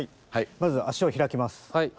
まずは足を開きます。